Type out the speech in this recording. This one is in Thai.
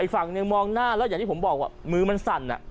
ฝั่งหนึ่งมองหน้าแล้วอย่างที่ผมบอกว่ามือมันสั่น